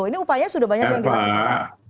ini upaya sudah banyak yang dilakukan